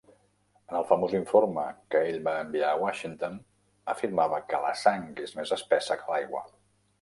En el famós informe que ell va enviar a Washington, afirmava que la "sang és més espessa que l'aigua".